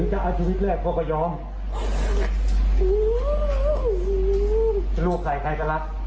ต้องห่วงนะลูก